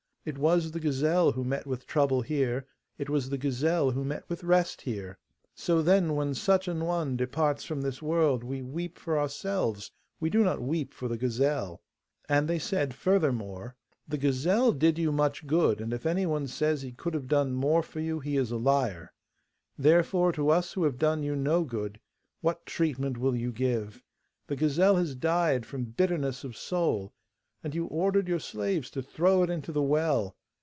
It was the gazelle who met with trouble here, it was the gazelle who met with rest here. So, then, when such an one departs from this world we weep for ourselves, we do not weep for the gazelle.' And they said furthermore: 'The gazelle did you much good, and if anyone says he could have done more for you he is a liar! Therefore, to us who have done you no good, what treatment will you give? The gazelle has died from bitterness of soul, and you ordered your slaves to throw it into the well.